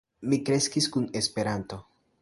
Mi kreskis kun Esperanto.